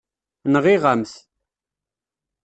Nɣiɣ-am-t.